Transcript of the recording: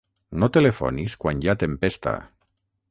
No telefonis quan hi ha tempesta.